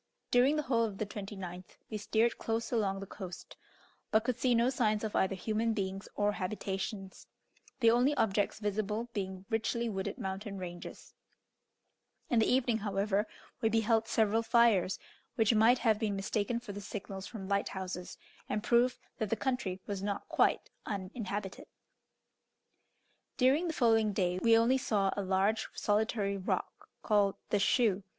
During the whole of the 29th we steered close along the coast, but could see no signs of either human beings or habitations, the only objects visible being richly wooded mountain ranges; in the evening, however, we beheld several fires, which might have been mistaken for the signals from lighthouses, and proved that the country was not quite uninhabited. During the following day we only saw a large solitary rock called "The Shoe."